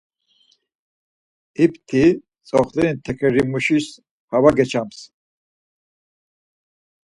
İpti tzoxleni tekerimuşis hava geçams.